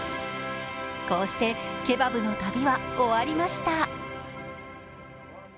こうしてケバブの旅は終わりました。